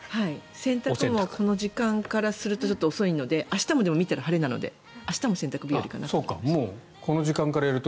洗濯物はこの時間からすると遅いので明日も、見たら晴れなので明日も洗濯日和かなと。